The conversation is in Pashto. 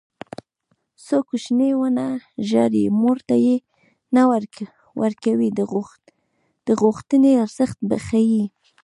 څو کوچنی ونه ژاړي مور تی نه ورکوي د غوښتنې ارزښت ښيي